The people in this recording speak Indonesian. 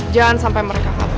jangan sampai mereka kabur